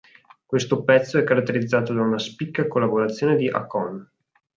Questo pezzo è caratterizzato da una spicca collaborazione di Akon.